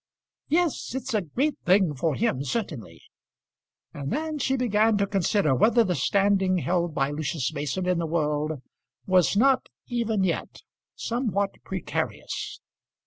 "Yes; it's a great thing for him, certainly." And then she began to consider whether the standing held by Lucius Mason in the world was not even yet somewhat precarious.